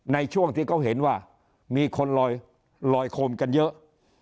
ในช่วงที่เขาเห็นว่ามีคนลอยโคมกันเยอะ